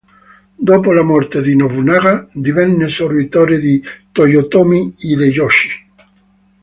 Dopo la morte di Nobunaga divenne servitore di Toyotomi Hideyoshi.